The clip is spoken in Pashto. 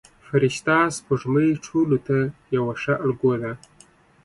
فرشته سپوږمۍ ټولو ته یوه ښه الګو ده.